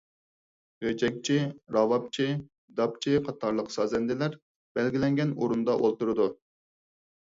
غېجەكچى، راۋابچى، داپچى قاتارلىق سازەندىلەر بەلگىلەنگەن ئورۇندا ئولتۇرىدۇ.